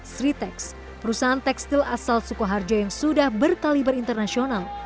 sritex perusahaan tekstil asal sukoharjo yang sudah berkaliber internasional